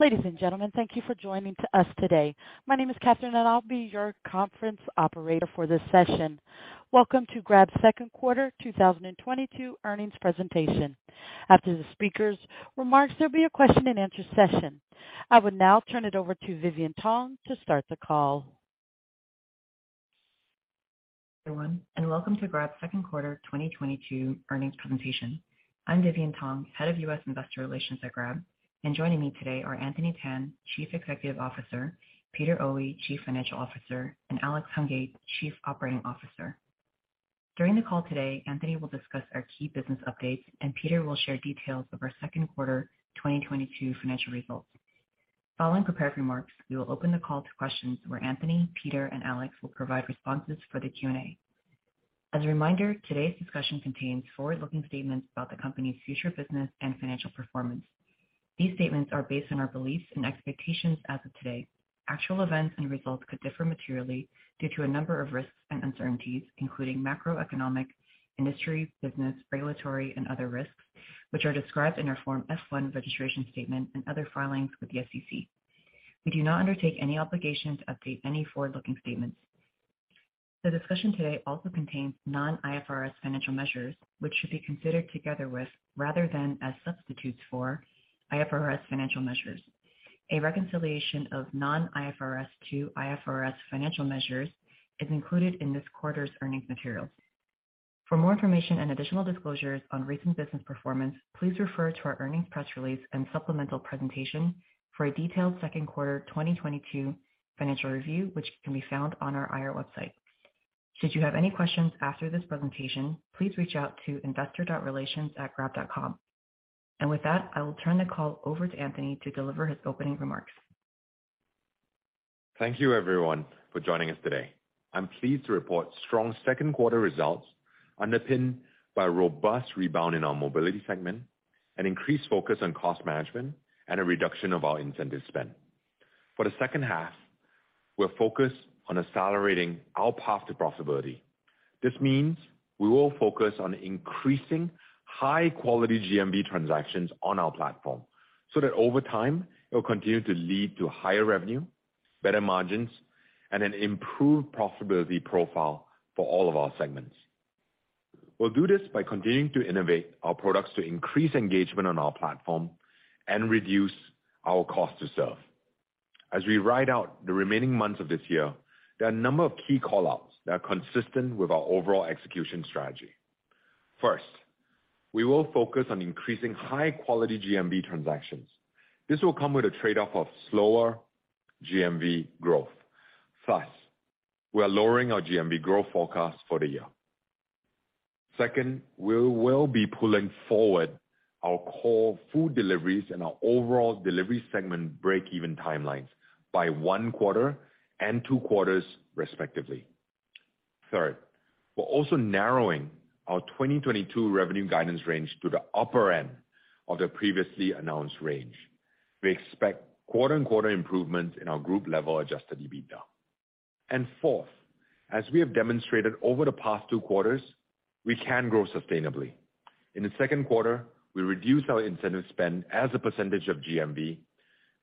Ladies and gentlemen, thank you for joining us today. My name is Catherine, and I'll be your conference operator for this session. Welcome to Grab's second quarter 2022 earnings presentation. After the speakers' remarks, there'll be a question-and-answer session. I would now turn it over to Vivian Tong to start the call. Everyone, welcome to Grab's second quarter 2022 earnings presentation. I'm Vivian Tong, Head of US Investor Relations at Grab. Joining me today are Anthony Tan, Chief Executive Officer, Peter Oey, Chief Financial Officer, and Alex Hungate, Chief Operating Officer. During the call today, Anthony will discuss our key business updates, and Peter will share details of our second quarter 2022 financial results. Following prepared remarks, we will open the call to questions where Anthony, Peter, and Alex will provide responses for the Q&A. As a reminder, today's discussion contains forward-looking statements about the company's future business and financial performance. These statements are based on our beliefs and expectations as of today. Actual events and results could differ materially due to a number of risks and uncertainties, including macroeconomic, industry, business, regulatory, and other risks, which are described in our Form S-1 registration statement and other filings with the SEC. We do not undertake any obligation to update any forward-looking statements. The discussion today also contains non-IFRS financial measures, which should be considered together with, rather than as substitutes for, IFRS financial measures. A reconciliation of non-IFRS to IFRS financial measures is included in this quarter's earnings material. For more information and additional disclosures on recent business performance, please refer to our earnings press release and supplemental presentation for a detailed second quarter 2022 financial review, which can be found on our IR website. Should you have any questions after this presentation, please reach out to investor.relations@grab.com. With that, I will turn the call over to Anthony to deliver his opening remarks. Thank you, everyone, for joining us today. I'm pleased to report strong second quarter results underpinned by a robust rebound in our mobility segment, an increased focus on cost management, and a reduction of our incentive spend. The second half, we're focused on accelerating our path to profitability. This means we will focus on increasing high-quality GMV transactions on our platform so that over time, it will continue to lead to higher revenue, better margins, and an improved profitability profile for all of our segments. We'll do this by continuing to innovate our products to increase engagement on our platform and reduce our cost to serve. As we ride out the remaining months of this year, there are a number of key call-outs that are consistent with our overall execution strategy. First, we will focus on increasing high-quality GMV transactions. This will come with a trade-off of slower GMV growth. Thus, we are lowering our GMV growth forecast for the year. Second, we will be pulling forward our core food deliveries and our overall delivery segment breakeven timelines by 1 quarter and 2 quarters, respectively. Third, we're also narrowing our 2022 revenue guidance range to the upper end of the previously announced range. We expect quarter-on-quarter improvement in our group-level adjusted EBITDA. Fourth, as we have demonstrated over the past 2 quarters, we can grow sustainably. In the second quarter, we reduced our incentive spend as a percentage of GMV,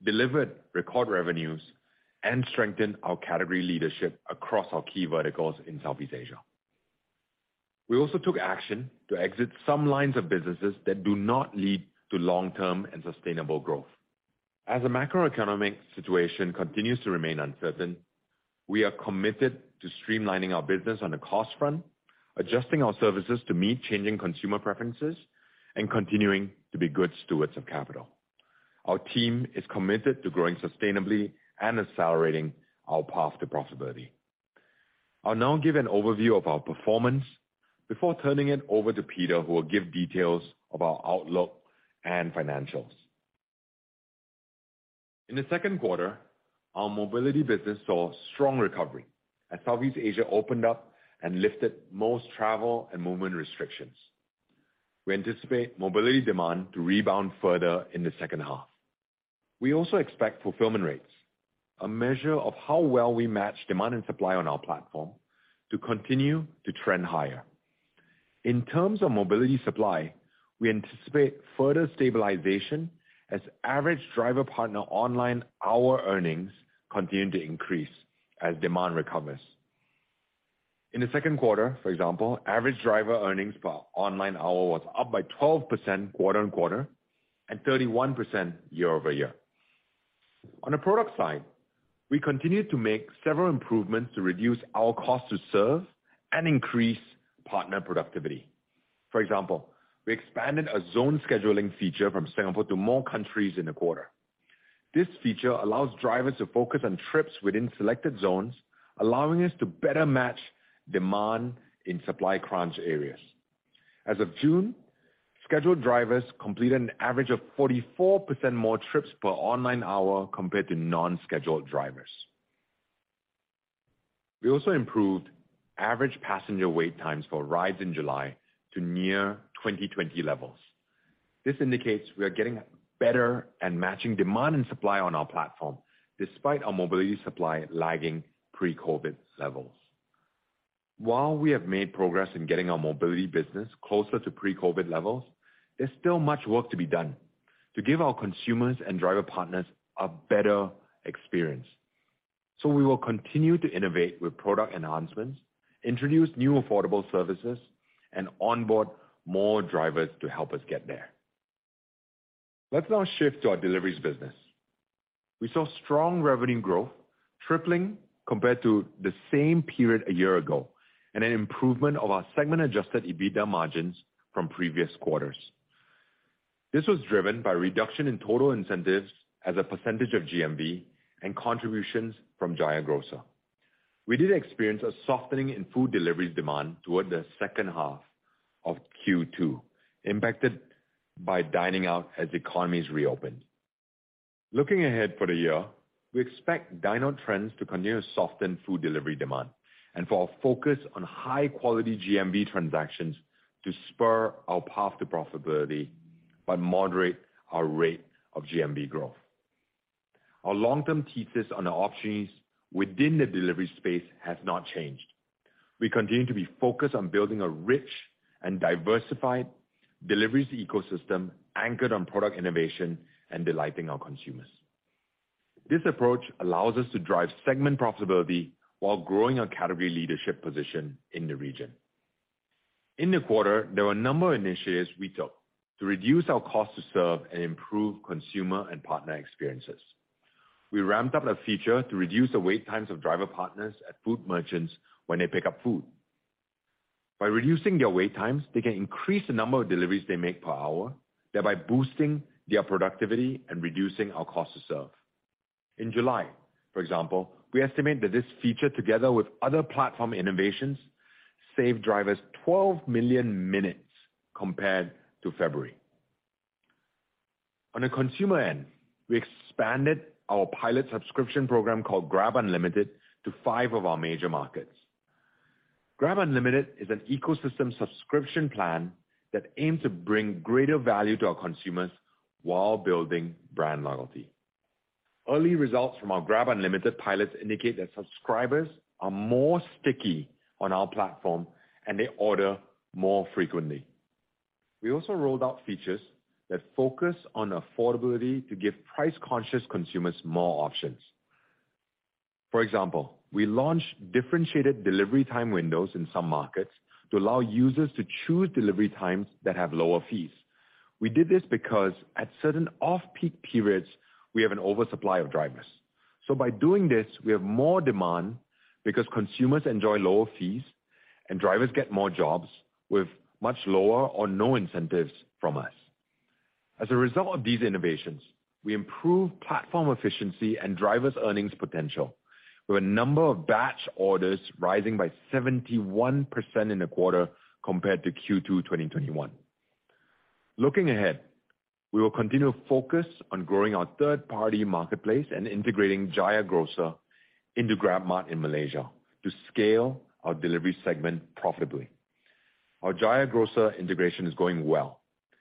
delivered record revenues, and strengthened our category leadership across our key verticals in Southeast Asia. We also took action to exit some lines of businesses that do not lead to long-term and sustainable growth. As the macroeconomic situation continues to remain uncertain, we are committed to streamlining our business on the cost front, adjusting our services to meet changing consumer preferences, and continuing to be good stewards of capital. Our team is committed to growing sustainably and accelerating our path to profitability. I'll now give an overview of our performance before turning it over to Peter, who will give details of our outlook and financials. In the second quarter, our mobility business saw strong recovery as Southeast Asia opened up and lifted most travel and movement restrictions. We anticipate mobility demand to rebound further in the second half. We also expect fulfillment rates, a measure of how well we match demand and supply on our platform, to continue to trend higher. In terms of mobility supply, we anticipate further stabilization as average driver-partner online hour earnings continue to increase as demand recovers. In the second quarter, for example, average driver earnings per online hour was up by 12% quarter-over-quarter and 31% year-over-year. On the product side, we continued to make several improvements to reduce our cost to serve and increase partner productivity. For example, we expanded a zone scheduling feature from Singapore to more countries in the quarter. This feature allows drivers to focus on trips within selected zones, allowing us to better match demand in supply crunch areas. As of June, scheduled drivers completed an average of 44% more trips per online hour compared to non-scheduled drivers. We also improved average passenger wait times for rides in July to near 2020 levels. This indicates we are getting better and matching demand and supply on our platform, despite our mobility supply lagging pre-COVID levels. While we have made progress in getting our mobility business closer to pre-COVID levels, there's still much work to be done to give our consumers and driver partners a better experience. We will continue to innovate with product enhancements, introduce new affordable services, and onboard more drivers to help us get there. Let's now shift to our deliveries business. We saw strong revenue growth tripling compared to the same period a year ago, and an improvement of our segment adjusted EBITDA margins from previous quarters. This was driven by reduction in total incentives as a percentage of GMV and contributions from Jaya Grocer. We did experience a softening in food deliveries demand toward the second half of Q2, impacted by dining out as economies reopened. Looking ahead for the year, we expect dine-out trends to continue to soften food delivery demand, and for our focus on high-quality GMV transactions to spur our path to profitability by moderating our rate of GMV growth. Our long-term thesis on the options within the delivery space has not changed. We continue to be focused on building a rich and diversified delivery ecosystem anchored on product innovation and delighting our consumers. This approach allows us to drive segment profitability while growing our category leadership position in the region. In the quarter, there were a number of initiatives we took to reduce our cost to serve and improve consumer and partner experiences. We ramped up a feature to reduce the wait times of driver partners at food merchants when they pick up food. By reducing their wait times, they can increase the number of deliveries they make per hour, thereby boosting their productivity and reducing our cost to serve. In July, for example, we estimate that this feature, together with other platform innovations, saved drivers 12 million minutes compared to February. On a consumer end, we expanded our pilot subscription program called Grab Unlimited to five of our major markets. Grab Unlimited is an ecosystem subscription plan that aims to bring greater value to our consumers while building brand loyalty. Early results from our Grab Unlimited pilots indicate that subscribers are more sticky on our platform, and they order more frequently. We also rolled out features that focus on affordability to give price-conscious consumers more options. For example, we launched differentiated delivery time windows in some markets to allow users to choose delivery times that have lower fees. We did this because at certain off-peak periods, we have an oversupply of drivers. By doing this, we have more demand because consumers enjoy lower fees and drivers get more jobs with much lower or no incentives from us. As a result of these innovations, we improve platform efficiency and drivers' earnings potential, with a number of batch orders rising by 71% in the quarter compared to Q2 2021. Looking ahead, we will continue to focus on growing our third-party marketplace and integrating Jaya Grocer into GrabMart in Malaysia to scale our delivery segment profitably. Our Jaya Grocer integration is going well.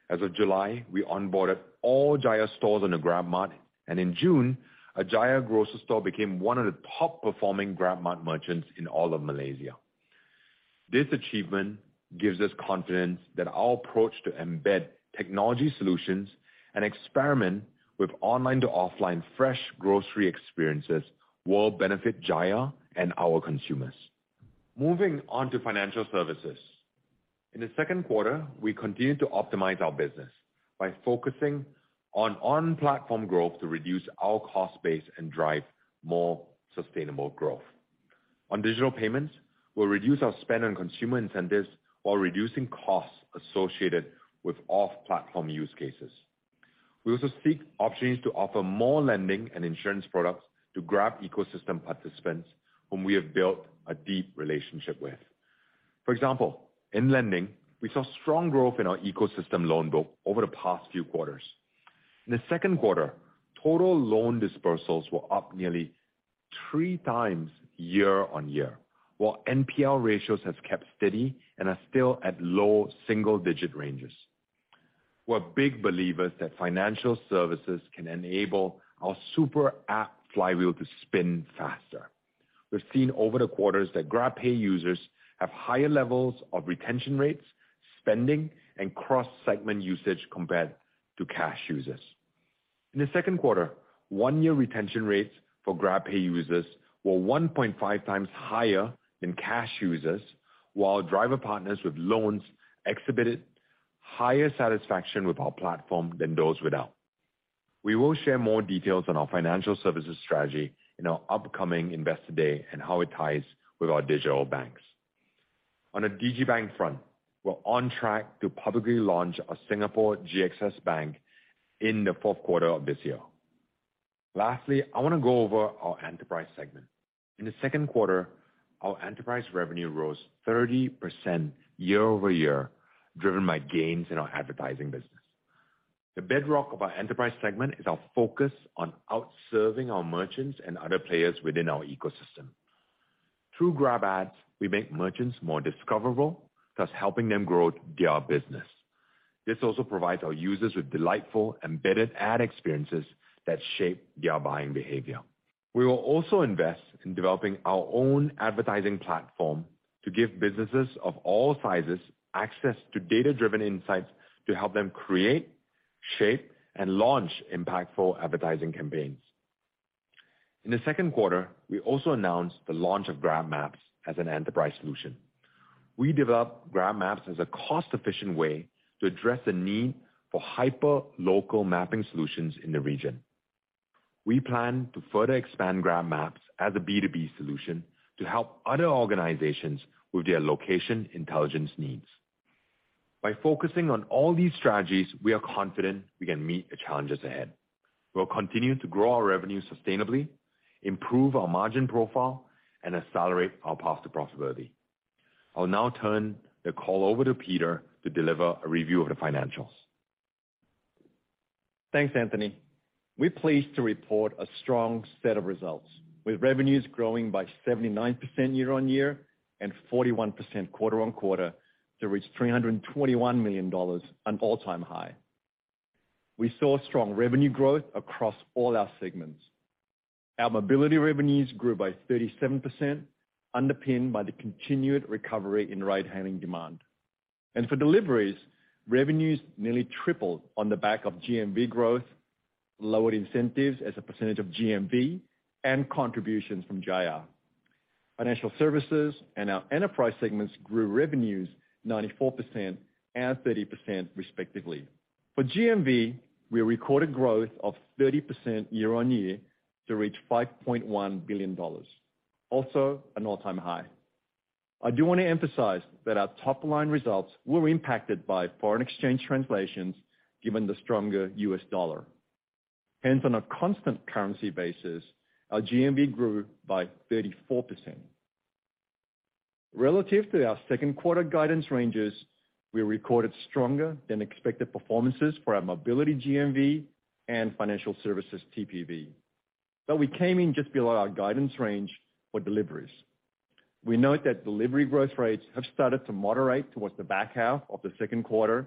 As of July, we onboarded all Jaya stores on the GrabMart, and in June, a Jaya Grocer store became one of the top-performing GrabMart merchants in all of Malaysia. This achievement gives us confidence that our approach to embed technology solutions and experiment with online to offline fresh grocery experiences will benefit Jaya and our consumers. Moving on to financial services. In the second quarter, we continued to optimize our business by focusing on on-platform growth to reduce our cost base and drive more sustainable growth. On digital payments, we'll reduce our spend on consumer incentives while reducing costs associated with off-platform use cases. We also seek options to offer more lending and insurance products to Grab ecosystem participants whom we have built a deep relationship with. For example, in lending, we saw strong growth in our ecosystem loan book over the past few quarters. In the second quarter, total loan disbursements were up nearly 3 times year-on-year, while NPL ratios have kept steady and are still at low single-digit ranges. We're big believers that financial services can enable our super app flywheel to spin faster. We've seen over the quarters that GrabPay users have higher levels of retention rates, spending, and cross-segment usage compared to cash users. In the second quarter, one-year retention rates for GrabPay users were 1.5 times higher than cash users, while driver partners with loans exhibited higher satisfaction with our platform than those without. We will share more details on our financial services strategy in our upcoming Investor Day and how it ties with our digital banks. On the digital bank front, we're on track to publicly launch a Singapore GXS Bank in the fourth quarter of this year. Lastly, I wanna go over our enterprise segment. In the second quarter, our enterprise revenue rose 30% year-over-year, driven by gains in our advertising business. The bedrock of our enterprise segment is our focus on out-serving our merchants and other players within our ecosystem. Through GrabAds, we make merchants more discoverable, thus helping them grow their business. This also provides our users with delightful embedded ad experiences that shape their buying behavior. We will also invest in developing our own advertising platform to give businesses of all sizes access to data-driven insights to help them create, shape, and launch impactful advertising campaigns. In the second quarter, we also announced the launch of GrabMaps as an enterprise solution. We developed GrabMaps as a cost-efficient way to address the need for hyperlocal mapping solutions in the region. We plan to further expand GrabMaps as a B2B solution to help other organizations with their location intelligence needs. By focusing on all these strategies, we are confident we can meet the challenges ahead. We'll continue to grow our revenue sustainably, improve our margin profile, and accelerate our path to profitability. I'll now turn the call over to Peter to deliver a review of the financials. Thanks, Anthony. We're pleased to report a strong set of results, with revenues growing by 79% year-on-year and 41% quarter-on-quarter to reach $321 million, an all-time high. We saw strong revenue growth across all our segments. Our mobility revenues grew by 37%, underpinned by the continued recovery in ride-hailing demand. For deliveries, revenues nearly tripled on the back of GMV growth, lower incentives as a percentage of GMV, and contributions from Jaya. Financial services and our enterprise segments grew revenues 94% and 30% respectively. For GMV, we recorded growth of 30% year-on-year to reach $5.1 billion, also an all-time high. I do wanna emphasize that our top-line results were impacted by foreign exchange translations given the stronger US dollar. Hence, on a constant currency basis, our GMV grew by 34%. Relative to our second quarter guidance ranges, we recorded stronger than expected performances for our mobility GMV and financial services TPV, but we came in just below our guidance range for deliveries. We note that delivery growth rates have started to moderate towards the back half of the second quarter,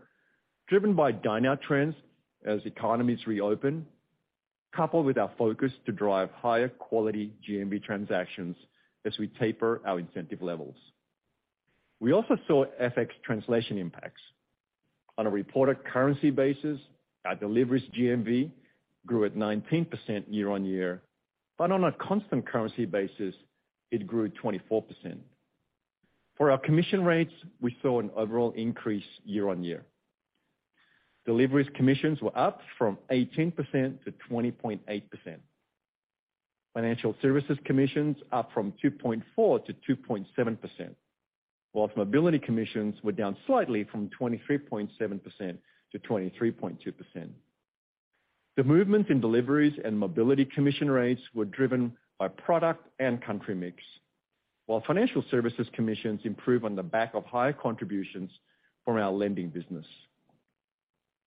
driven by dine-out trends as economies reopen, coupled with our focus to drive higher quality GMV transactions as we taper our incentive levels. We also saw FX translation impacts. On a reported currency basis, our deliveries GMV grew at 19% year-on-year, but on a constant currency basis, it grew 24%. For our commission rates, we saw an overall increase year-on-year. Deliveries commissions were up from 18% to 20.8%. Financial services commissions up from 2.4%-2.7%, while mobility commissions were down slightly from 23.7%-23.2%. The movement in deliveries and mobility commission rates were driven by product and country mix, while financial services commissions improved on the back of higher contributions from our lending business.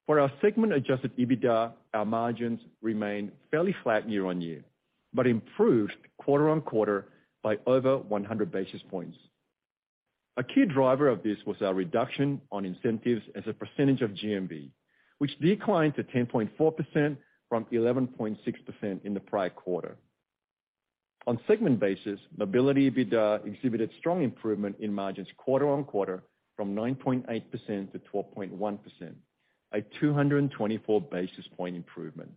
For our segment adjusted EBITDA, our margins remained fairly flat year-on-year, but improved quarter-on-quarter by over 100 basis points. A key driver of this was our reduction on incentives as a percentage of GMV, which declined to 10.4% from 11.6% in the prior quarter. On segment basis, mobility EBITDA exhibited strong improvement in margins quarter-on-quarter from 9.8%-12.1%, a 224 basis point improvement.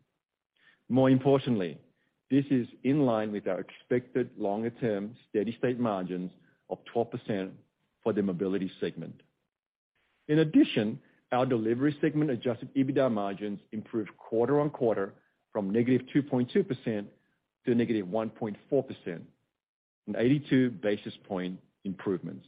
More importantly, this is in line with our expected longer-term steady-state margins of 12% for the mobility segment. In addition, our delivery segment adjusted EBITDA margins improved quarter-on-quarter from -2.2% to -1.4%, an 82 basis points improvements.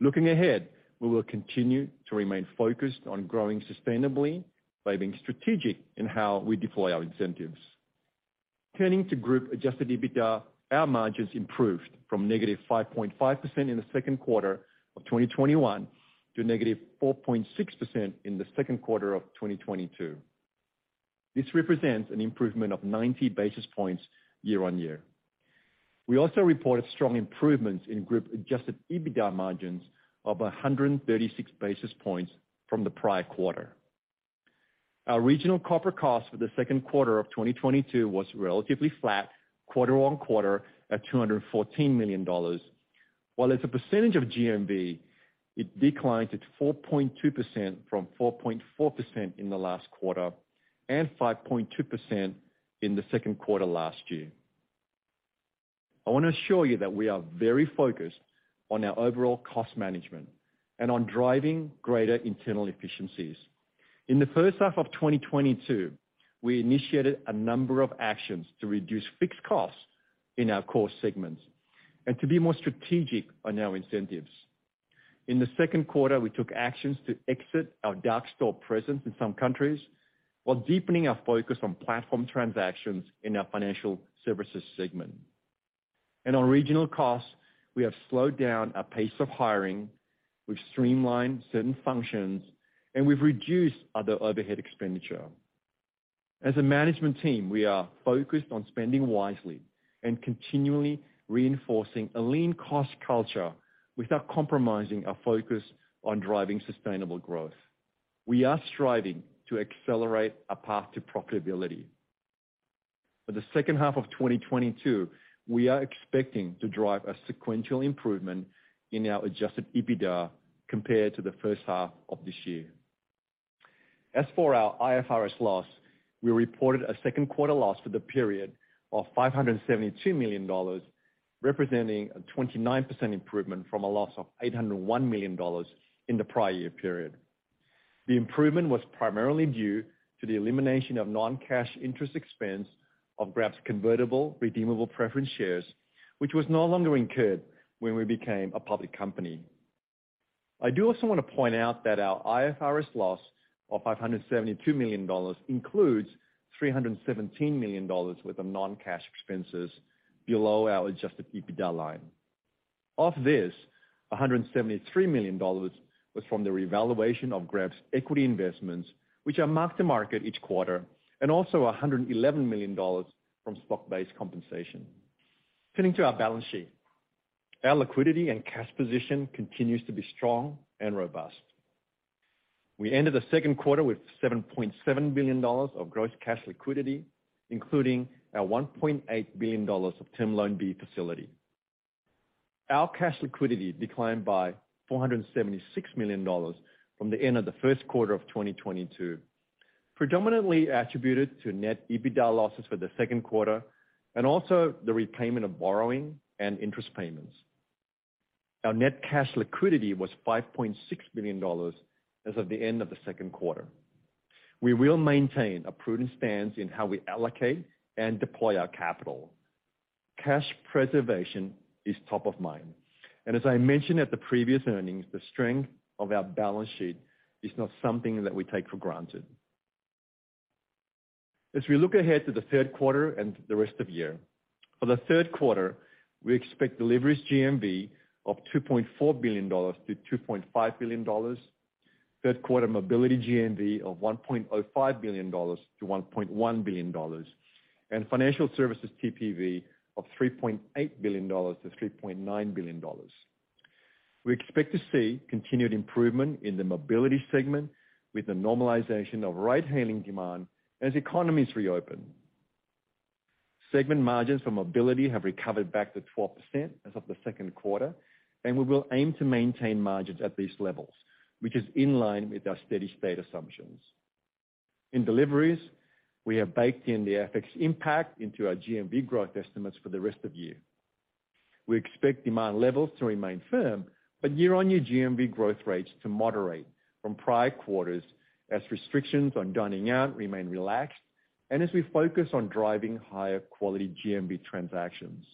Looking ahead, we will continue to remain focused on growing sustainably by being strategic in how we deploy our incentives. Turning to group adjusted EBITDA, our margins improved from -5.5% in the second quarter of 2021 to -4.6% in the second quarter of 2022. This represents an improvement of 90 basis points year-on-year. We also reported strong improvements in group adjusted EBITDA margins of 136 basis points from the prior quarter. Our regional corporate cost for the second quarter of 2022 was relatively flat quarter-on-quarter at $214 million. While as a percentage of GMV, it declined to 4.2% from 4.4% in the last quarter, and 5.2% in the second quarter last year. I wanna assure you that we are very focused on our overall cost management and on driving greater internal efficiencies. In the first half of 2022, we initiated a number of actions to reduce fixed costs in our core segments and to be more strategic on our incentives. In the second quarter, we took actions to exit our dark store presence in some countries, while deepening our focus on platform transactions in our financial services segment. In our regional costs, we have slowed down our pace of hiring, we've streamlined certain functions, and we've reduced other overhead expenditure. As a management team, we are focused on spending wisely and continually reinforcing a lean cost culture without compromising our focus on driving sustainable growth. We are striving to accelerate our path to profitability. For the second half of 2022, we are expecting to drive a sequential improvement in our adjusted EBITDA compared to the first half of this year. As for our IFRS loss, we reported a second quarter loss for the period of $572 million, representing a 29% improvement from a loss of $801 million in the prior year period. The improvement was primarily due to the elimination of non-cash interest expense of Grab's convertible redeemable preference shares, which was no longer incurred when we became a public company. I do also want to point out that our IFRS loss of $572 million includes $317 million worth of non-cash expenses below our adjusted EBITDA line. Of this, $173 million was from the revaluation of Grab's equity investments, which are mark-to-market each quarter, and also $111 million from stock-based compensation. Turning to our balance sheet. Our liquidity and cash position continues to be strong and robust. We ended the second quarter with $7.7 billion of gross cash liquidity, including our $1.8 billion of Term Loan B facility. Our cash liquidity declined by $476 million from the end of the first quarter of 2022, predominantly attributed to net EBITDA losses for the second quarter and also the repayment of borrowing and interest payments. Our net cash liquidity was $5.6 billion as of the end of the second quarter. We will maintain a prudent stance in how we allocate and deploy our capital. Cash preservation is top of mind, and as I mentioned at the previous earnings, the strength of our balance sheet is not something that we take for granted. As we look ahead to the third quarter and the rest of the year, for the third quarter, we expect deliveries GMV of $2.4 billion-$2.5 billion, third quarter mobility GMV of $1.05 billion-$1.1 billion, and financial services TPV of $3.8 billion-$3.9 billion. We expect to see continued improvement in the mobility segment with the normalization of ride-hailing demand as economies reopen. Segment margins for mobility have recovered back to 12% as of the second quarter, and we will aim to maintain margins at these levels, which is in line with our steady-state assumptions. In deliveries, we have baked in the FX impact into our GMV growth estimates for the rest of the year. We expect demand levels to remain firm, but year-on-year GMV growth rates to moderate from prior quarters as restrictions on dining out remain relaxed and as we focus on driving higher quality GMV transactions.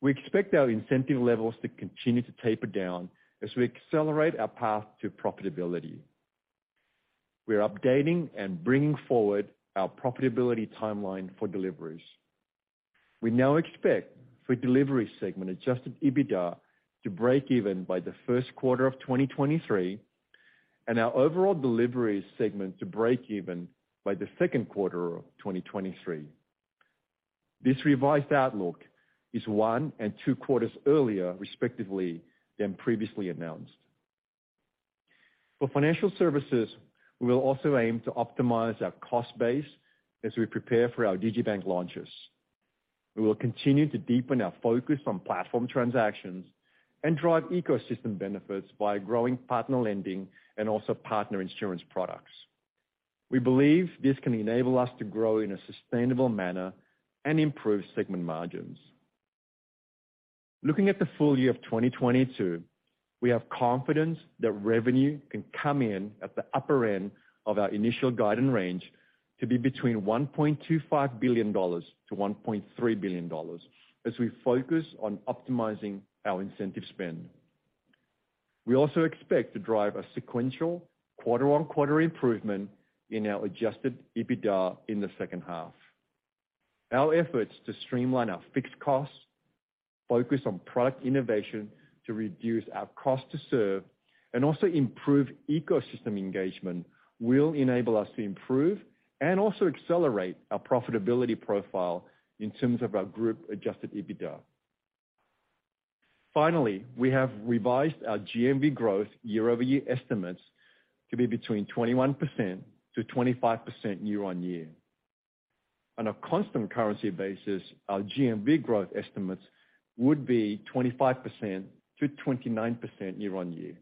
We expect our incentive levels to continue to taper down as we accelerate our path to profitability. We're updating and bringing forward our profitability timeline for deliveries. We now expect for delivery segment adjusted EBITDA to break even by the first quarter of 2023 and our overall deliveries segment to break even by the second quarter of 2023. This revised outlook is one and two quarters earlier, respectively, than previously announced. For financial services, we will also aim to optimize our cost base as we prepare for our digibank launches. We will continue to deepen our focus on platform transactions and drive ecosystem benefits by growing partner lending and also partner insurance products. We believe this can enable us to grow in a sustainable manner and improve segment margins. Looking at the full year of 2022, we have confidence that revenue can come in at the upper end of our initial guidance range to be between $1.25 billion-$1.3 billion as we focus on optimizing our incentive spend. We also expect to drive a sequential quarter-over-quarter improvement in our adjusted EBITDA in the second half. Our efforts to streamline our fixed costs, focus on product innovation to reduce our cost to serve, and also improve ecosystem engagement will enable us to improve and also accelerate our profitability profile in terms of our group adjusted EBITDA. Finally, we have revised our GMV growth year-over-year estimates to be between 21%-25% year-over-year. On a constant currency basis, our GMV growth estimates would be 25%-29% year-on-year.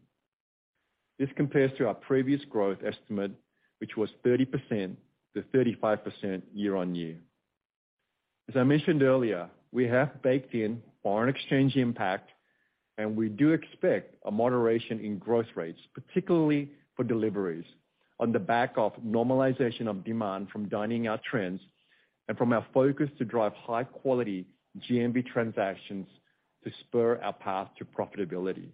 This compares to our previous growth estimate, which was 30%-35% year-on-year. As I mentioned earlier, we have baked in foreign exchange impact, and we do expect a moderation in growth rates, particularly for deliveries, on the back of normalization of demand from dining-out trends and from our focus to drive high-quality GMV transactions to spur our path to profitability.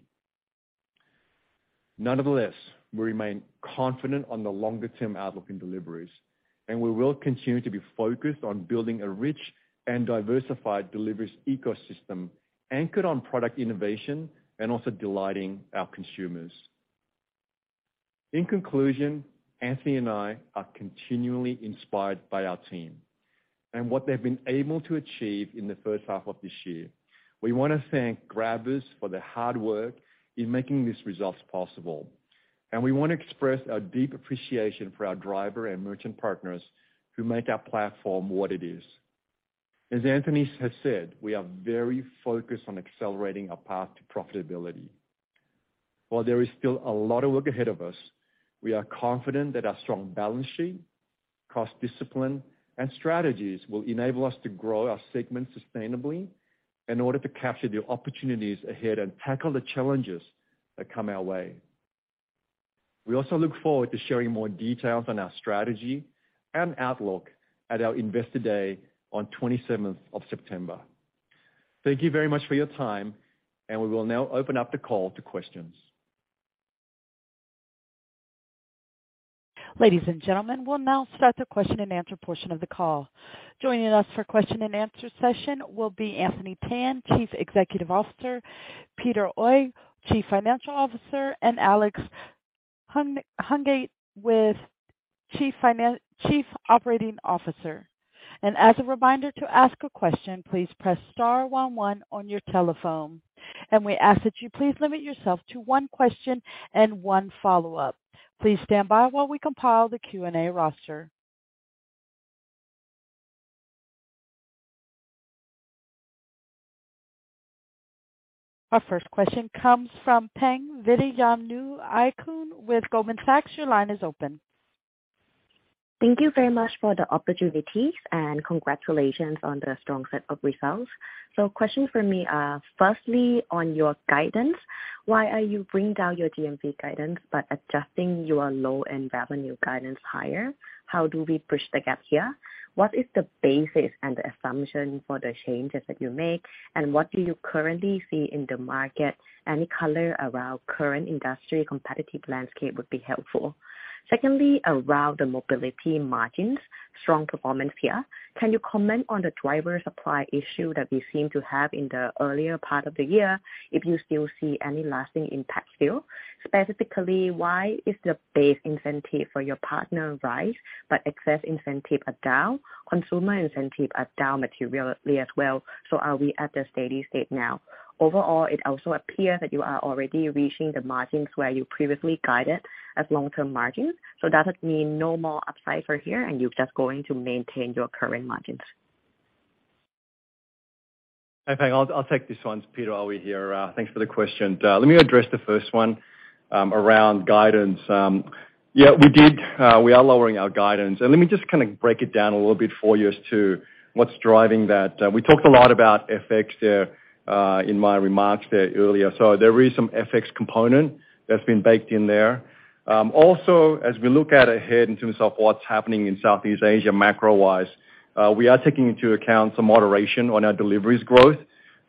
Nonetheless, we remain confident on the longer-term outlook in deliveries, and we will continue to be focused on building a rich and diversified deliveries ecosystem anchored on product innovation and also delighting our consumers. In conclusion, Anthony and I are continually inspired by our team and what they've been able to achieve in the first half of this year. We wanna thank Grabbers for their hard work in making these results possible, and we wanna express our deep appreciation for our driver and merchant partners who make our platform what it is. As Anthony has said, we are very focused on accelerating our path to profitability. While there is still a lot of work ahead of us, we are confident that our strong balance sheet, cost discipline, and strategies will enable us to grow our segments sustainably in order to capture the opportunities ahead and tackle the challenges that come our way. We also look forward to sharing more details on our strategy and outlook at our Investor Day on 27th of September. Thank you very much for your time, and we will now open up the call to questions. Ladies and gentlemen, we'll now start the question-and-answer portion of the call. Joining us for question-and-answer session will be Anthony Tan, Chief Executive Officer, Peter Oey, Chief Financial Officer, and Alex Hungate, Chief Operating Officer. As a reminder, to ask a question, please press star one one on your telephone. We ask that you please limit yourself to one question and one follow-up. Please stand by while we compile the Q&A roster. Our first question comes from Pang Vittayaamnuaykoon with Goldman Sachs. Your line is open. Thank you very much for the opportunities and congratulations on the strong set of results. Questions for me. Firstly, on your guidance, why are you bringing down your GMV guidance but adjusting your low-end revenue guidance higher? How do we bridge the gap here? What is the basis and the assumption for the changes that you make, and what do you currently see in the market? Any color around current industry competitive landscape would be helpful. Secondly, around the mobility margins, strong performance here. Can you comment on the driver supply issue that we seem to have in the earlier part of the year, if you still see any lasting impact? Specifically, why is the base incentive for your partners rising but excess incentives are down, consumer incentives are down materially as well, so are we at the steady state now? Overall, it also appears that you are already reaching the margins where you previously guided as long-term margins, so does it mean no more upside for here, and you're just going to maintain your current margins? Hi, Pang. I'll take this one. It's Peter Oey here. Thanks for the question. Let me address the first one around guidance. Yeah, we are lowering our guidance. Let me just kinda break it down a little bit for you as to what's driving that. We talked a lot about FX there in my remarks there earlier. There is some FX component that's been baked in there. Also, as we look out ahead in terms of what's happening in Southeast Asia macro-wise, we are taking into account some moderation on our deliveries growth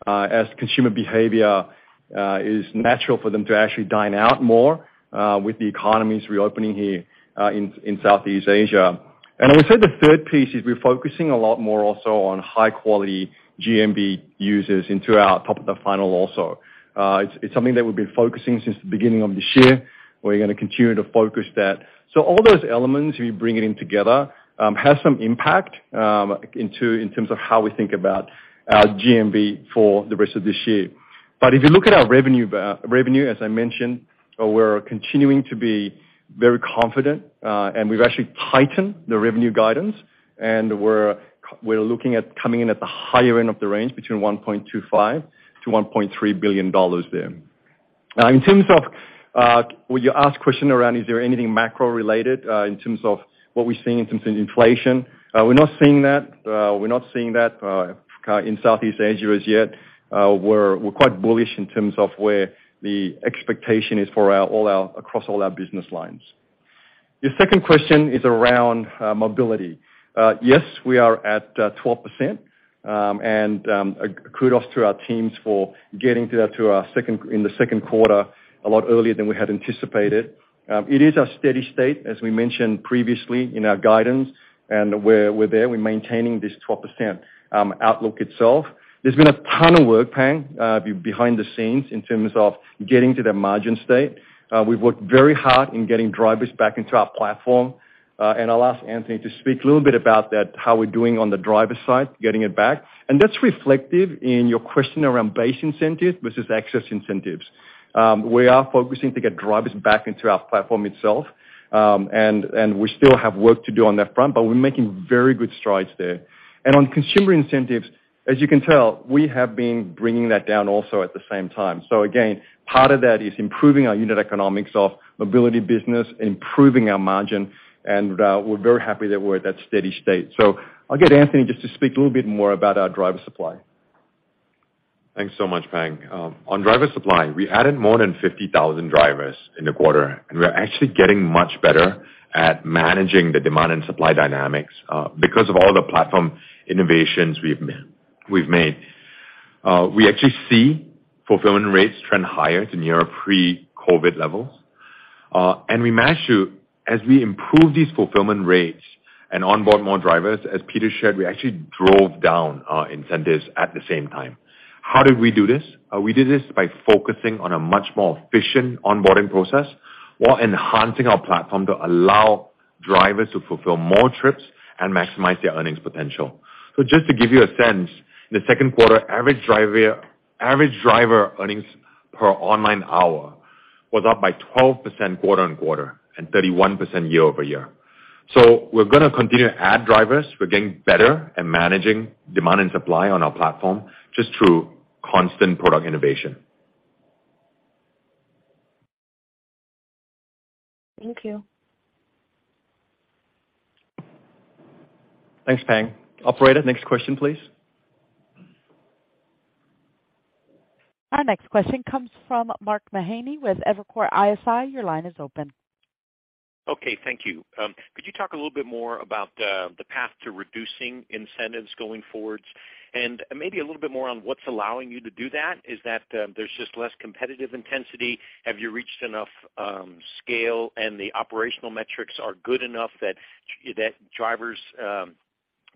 as consumer behavior is natural for them to actually dine out more with the economies reopening here in Southeast Asia. I would say the third piece is we're focusing a lot more also on high-quality GMV users into our top of the funnel also. It's something that we've been focusing since the beginning of this year. We're gonna continue to focus that. All those elements, we bring it in together, has some impact in terms of how we think about our GMV for the rest of this year. If you look at our revenue, as I mentioned, we're continuing to be very confident, and we've actually tightened the revenue guidance, and we're looking at coming in at the higher end of the range, between $1.25-$1.3 billion there. In terms of your question around is there anything macro-related, in terms of what we're seeing in terms of inflation, we're not seeing that. We're not seeing that in Southeast Asia as yet. We're quite bullish in terms of where the expectation is across all our business lines. Your second question is around mobility. Yes, we are at 12%, and kudos to our teams for getting to that in the second quarter a lot earlier than we had anticipated. It is our steady state, as we mentioned previously in our guidance, and we're there. We're maintaining this 12% outlook itself. There's been a ton of work, Pang, behind the scenes in terms of getting to that margin state. We've worked very hard in getting drivers back into our platform, and I'll ask Anthony to speak a little bit about that, how we're doing on the driver side, getting it back. That's reflective in your question around base incentives versus excess incentives. We are focusing to get drivers back into our platform itself, and we still have work to do on that front, but we're making very good strides there. On consumer incentives, as you can tell, we have been bringing that down also at the same time. Again, part of that is improving our unit economics of mobility business, improving our margin, and we're very happy that we're at that steady state. I'll get Anthony just to speak a little bit more about our driver supply. Thanks so much, Pang. On driver supply, we added more than 50,000 drivers in the quarter, and we're actually getting much better at managing the demand and supply dynamics, because of all the platform innovations we've made. We actually see fulfillment rates trend higher to near our pre-COVID levels, and we manage to, as we improve these fulfillment rates. Onboard more drivers. As Peter shared, we actually drove down our incentives at the same time. How did we do this? We did this by focusing on a much more efficient onboarding process while enhancing our platform to allow drivers to fulfill more trips and maximize their earnings potential. So just to give you a sense, in the second quarter, average driver earnings per online hour was up by 12% quarter-on-quarter and 31% year-over-year. We're gonna continue to add drivers. We're getting better at managing demand and supply on our platform just through constant product innovation. Thank you. Thanks, Pang. Operator, next question, please. Our next question comes from Mark Mahaney with Evercore ISI. Your line is open. Okay, thank you. Could you talk a little bit more about the path to reducing incentives going forward and maybe a little bit more on what's allowing you to do that? Is that there's just less competitive intensity? Have you reached enough scale and the operational metrics are good enough that that drivers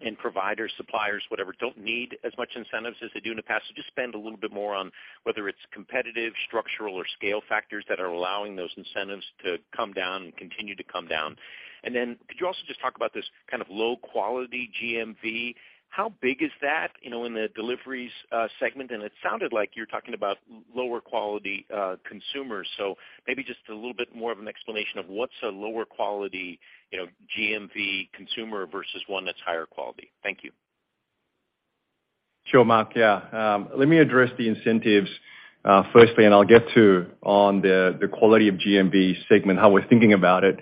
and providers, suppliers, whatever, don't need as much incentives as they do in the past? Just spend a little bit more on whether it's competitive, structural or scale factors that are allowing those incentives to come down and continue to come down. Could you also just talk about this kind of low quality GMV? How big is that, you know, in the deliveries segment? And it sounded like you're talking about lower quality consumers. Maybe just a little bit more of an explanation of what's a lower quality, you know, GMV consumer versus one that's higher quality. Thank you. Sure, Mark. Yeah. Let me address the incentives firstly and I'll get to the quality of GMV segment, how we're thinking about it.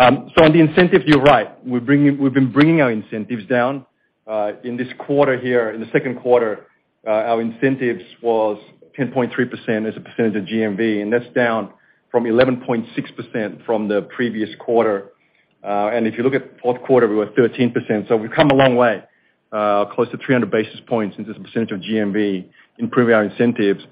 So on the incentive, you're right. We've been bringing our incentives down. In this quarter here, in the second quarter, our incentives was 10.3% as a percentage of GMV, and that's down from 11.6% from the previous quarter. If you look at fourth quarter, we were 13%. So we've come a long way, close to 300 basis points in the percentage of GMV, improve our incentives.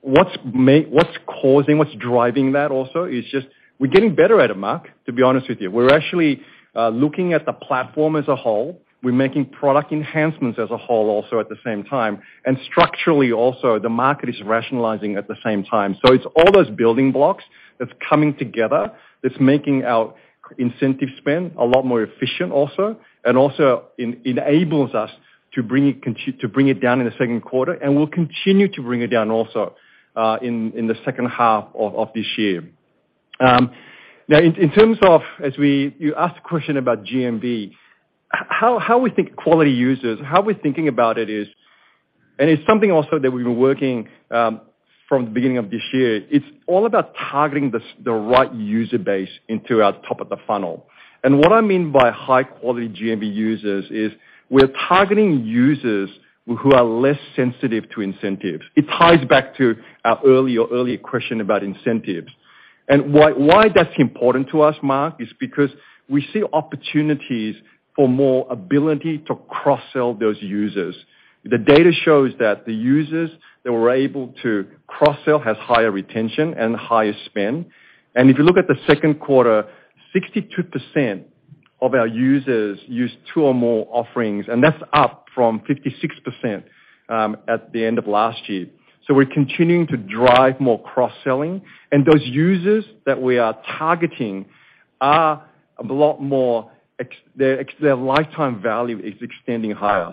What's causing, what's driving that also is just we're getting better at it, Mark, to be honest with you. We're actually looking at the platform as a whole. We're making product enhancements as a whole also at the same time. Structurally also the market is rationalizing at the same time. It's all those building blocks that's coming together that's making our incentive spend a lot more efficient also, and also enables us to bring it down in the second quarter and we'll continue to bring it down also, in the second half of this year. Now in terms of you asked a question about GMV. How we think quality users, how we're thinking about it is, and it's something also that we've been working from the beginning of this year. It's all about targeting the right user base into our top of the funnel. What I mean by high quality GMV users is we're targeting users who are less sensitive to incentives. It ties back to our earlier question about incentives. Why that's important to us, Mark, is because we see opportunities for more ability to cross-sell those users. The data shows that the users that we're able to cross-sell has higher retention and higher spend. If you look at the second quarter, 62% of our users use two or more offerings, and that's up from 56% at the end of last year. We're continuing to drive more cross-selling. Those users that we are targeting are a lot more. Their lifetime value is extending higher.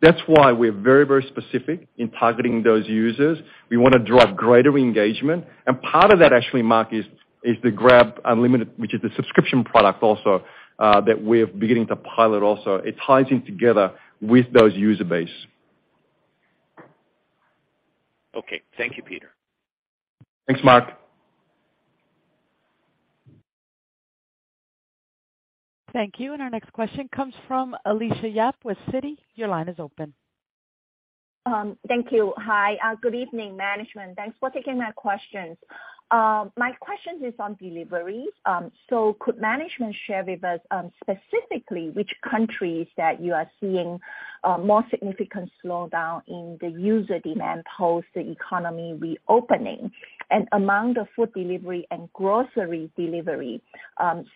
That's why we're very specific in targeting those users. We wanna drive greater engagement and part of that actually, Mark, is the Grab Unlimited, which is the subscription product also that we're beginning to pilot also. It ties in together with those user base. Okay. Thank you, Peter. Thanks, Mark. Thank you. Our next question comes from Alicia Yap with Citi. Your line is open. Thank you. Hi, good evening, management. Thanks for taking my questions. My questions is on deliveries. Could management share with us, specifically which countries that you are seeing more significant slowdown in the user demand post the economy reopening? Among the food delivery and grocery delivery,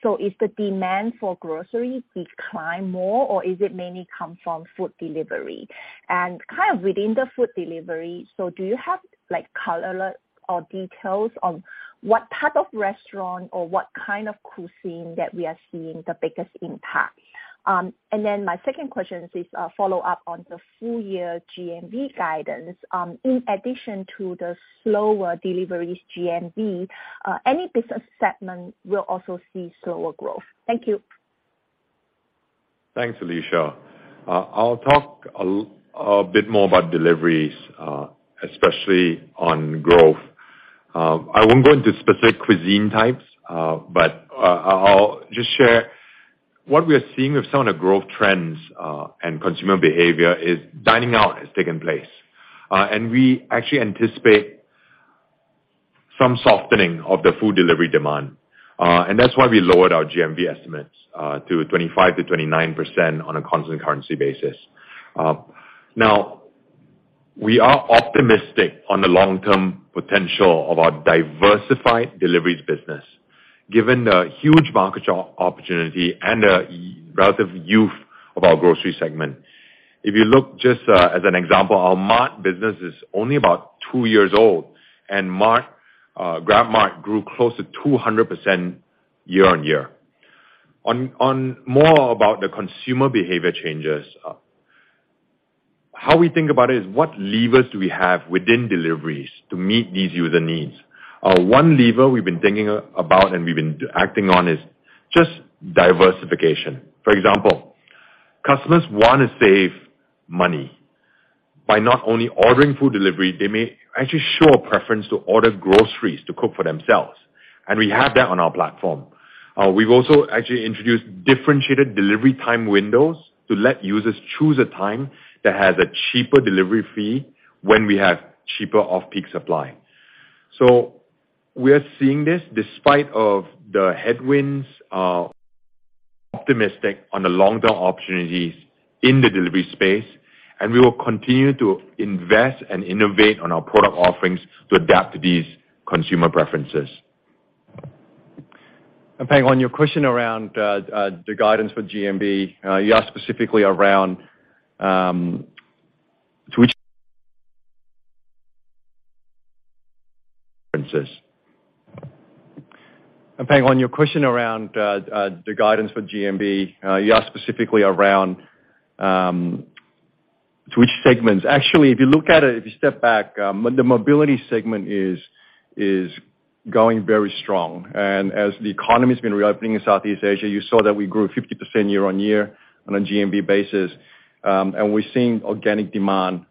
so is the demand for groceries decline more or is it mainly come from food delivery? Kind of within the food delivery, so do you have like color or details on what type of restaurant or what kind of cuisine that we are seeing the biggest impact? My second question is, follow-up on the full year GMV guidance. In addition to the slower deliveries GMV, any business segment will also see slower growth? Thank you. Thanks, Alicia. I'll talk a bit more about deliveries, especially on growth. I won't go into specific cuisine types, but I'll just share what we are seeing with some of the growth trends, and consumer behavior as dining out has taken place. We actually anticipate some softening of the food delivery demand. That's why we lowered our GMV estimates to 25%-29% on a constant currency basis. We are optimistic on the long-term potential of our diversified deliveries business, given the huge market opportunity and the relative youth of our grocery segment. If you look just as an example, our Mart business is only about two years old, and Mart GrabMart grew close to 200% year-on-year. On more about the consumer behavior changes, how we think about it is what levers do we have within deliveries to meet these user needs? One lever we've been thinking about and we've been acting on is just diversification. For example, customers wanna save money. By not only ordering food delivery, they may actually show a preference to order groceries to cook for themselves, and we have that on our platform. We've also actually introduced differentiated delivery time windows to let users choose a time that has a cheaper delivery fee when we have cheaper off-peak supply. We are seeing this despite of the headwinds, optimistic on the long-term opportunities in the delivery space, and we will continue to invest and innovate on our product offerings to adapt to these consumer preferences. Peng, on your question around the guidance for GMV, you asked specifically around to which segments. Actually, if you look at it, if you step back, the mobility segment is going very strong. As the economy has been reopening in Southeast Asia, you saw that we grew 50% year-over-year on a GMV basis. We're seeing organic demand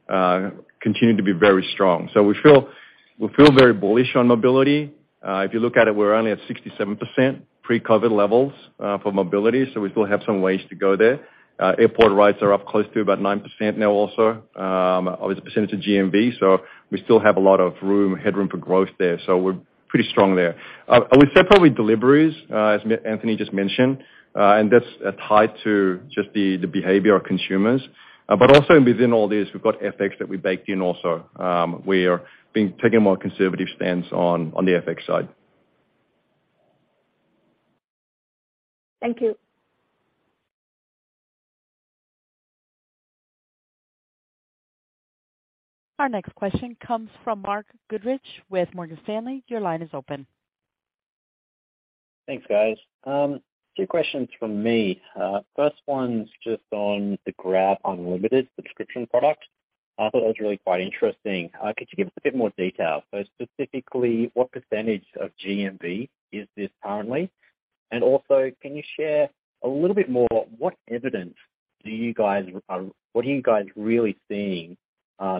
continue to be very strong. So we feel very bullish on mobility. If you look at it, we're only at 67% pre-COVID levels for mobility, so we still have some ways to go there. Airport rides are up close to about 9% now also of its percentage of GMV. We still have a lot of room, headroom for growth there. We're pretty strong there. We're separate with deliveries, as Anthony just mentioned, and that's tied to just the behavior of consumers. Also within all this, we've got FX that we baked in also. We're taking a more conservative stance on the FX side. Thank you. Our next question comes from Mark Goodridge with Morgan Stanley. Your line is open. Thanks, guys. Two questions from me. First one's just on the Grab Unlimited subscription product. I thought it was really quite interesting. Could you give us a bit more detail? So specifically, what percentage of GMV is this currently? And also, can you share a little bit more, what are you guys really seeing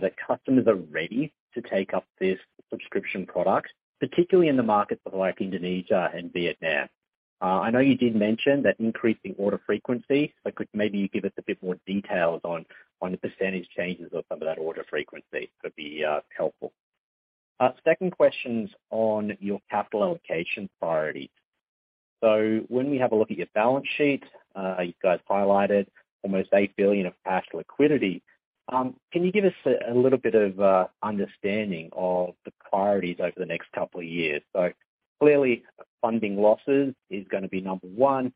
that customers are ready to take up this subscription product, particularly in the markets of like Indonesia and Vietnam? I know you did mention that increasing order frequency, but could maybe you give us a bit more details on the percentage changes of some of that order frequency would be helpful. Second question's on your capital allocation priority. When we have a look at your balance sheet, you guys highlighted almost $8 billion of cash liquidity. Can you give us a little bit of understanding of the priorities over the next couple of years? Clearly, funding losses is gonna be number one.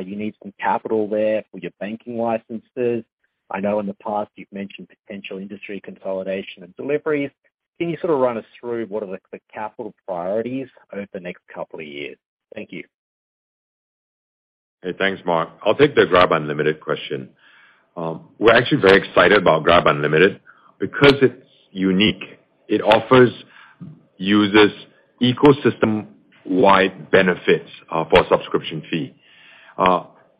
You need some capital there for your banking licenses. I know in the past you've mentioned potential industry consolidation and deliveries. Can you sort of run us through what are the capital priorities over the next couple of years? Thank you. Hey, thanks, Mark. I'll take the Grab Unlimited question. We're actually very excited about Grab Unlimited because it's unique. It offers users ecosystem-wide benefits for a subscription fee.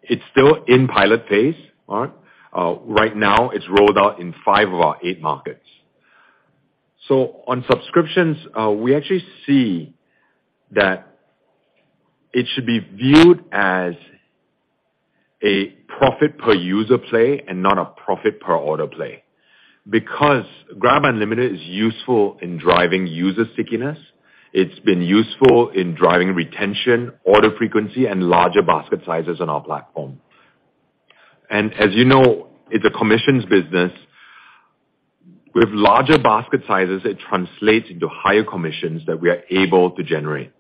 It's still in pilot phase, Mark. Right now it's rolled out in 5 of our 8 markets. On subscriptions, we actually see that it should be viewed as a profit per user play and not a profit per order play. Because Grab Unlimited is useful in driving user stickiness. It's been useful in driving retention, order frequency, and larger basket sizes on our platform. As you know, it's a commissions business. With larger basket sizes, it translates into higher commissions that we are able to generate.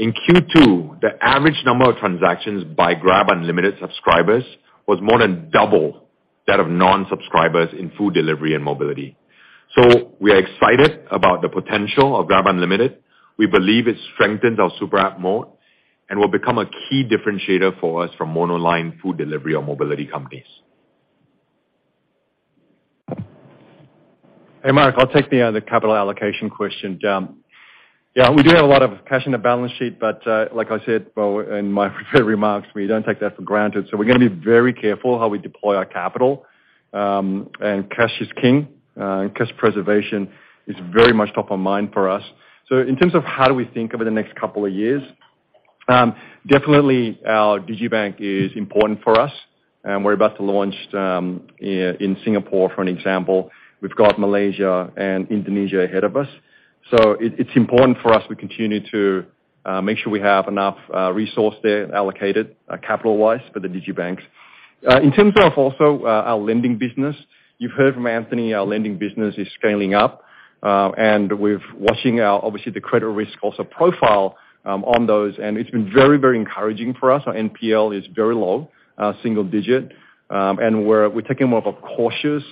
In Q2, the average number of transactions by Grab Unlimited subscribers was more than double that of non-subscribers in food delivery and mobility. We are excited about the potential of Grab Unlimited. We believe it strengthens our super app mode and will become a key differentiator for us from monoline food delivery or mobility companies. Hey, Mark, I'll take the capital allocation question. Yeah, we do have a lot of cash in the balance sheet, but like I said in my prepared remarks, we don't take that for granted. We're gonna be very careful how we deploy our capital, and cash is king, and cash preservation is very much top of mind for us. In terms of how we think over the next couple of years, definitely our digital bank is important for us, and we're about to launch in Singapore, for example. We've got Malaysia and Indonesia ahead of us. It's important for us to continue to make sure we have enough resources there allocated, capital-wise for the digital banks. In terms of our lending business, you've heard from Anthony, our lending business is scaling up, and we're watching out obviously the credit risk profile on those, and it's been very, very encouraging for us. Our NPL is very low, single-digit. We're taking more of a cautious